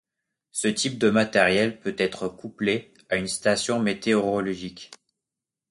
Ce type de matériel peut être couplé à une station météorologique.